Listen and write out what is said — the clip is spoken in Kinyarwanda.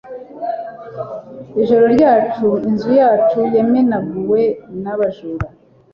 Ijoro ryacu inzu yacu yamenaguwe n'abajura.